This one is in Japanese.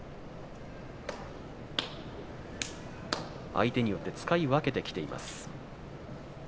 相手によって使い分けてきています。